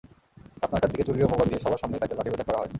রাত নয়টার দিকে চুরির অপবাদ দিয়ে সবার সামনেই তাঁকে লাঠিপেটা করা হয়।